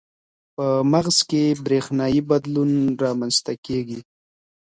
په مغز کې برېښنايي بدلون رامنځته کېږي.